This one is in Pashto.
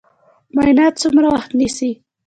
معاینات څومره وخت نیسي؟